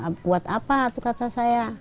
buat apa itu kata saya